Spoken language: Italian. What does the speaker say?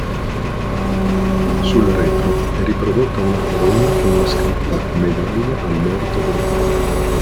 Sul retro è riprodotta una corona con la scritta "Medaglia al merito del re".